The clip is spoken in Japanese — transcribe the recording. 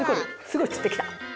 すごいつってきた。